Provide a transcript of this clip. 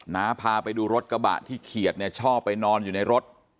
น้าพาไปดูรถกระบะที่เขียดเนี่ยชอบไปนอนอยู่ในรถ